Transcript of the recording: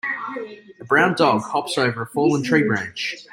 A brown dog hops over a fallen tree branch.